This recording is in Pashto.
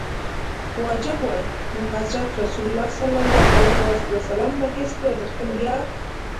واجب وای نو حضرت رسول ص به هیڅکله د خپل یار.